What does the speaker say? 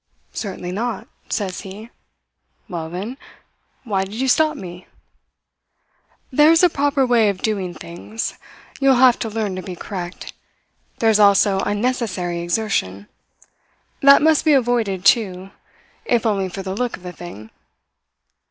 "'Certainly not,' says he. "'Well, then, why did you stop me?' "'There's a proper way of doing things. You'll have to learn to be correct. There's also unnecessary exertion. That must be avoided, too if only for the look of the thing.'